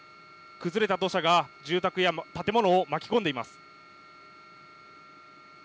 崩れた土砂が住宅や建物を巻き込んでいます。